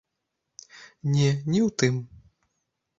Не, не ў тым.